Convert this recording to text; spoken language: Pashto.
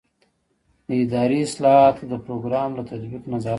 د اداري اصلاحاتو د پروګرام له تطبیق نظارت کول.